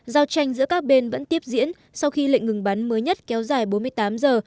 giao tranh giữa các bên vẫn tiếp diễn sau khi lệnh ngừng bắn mới nhất kéo dài bốn mươi tám giờ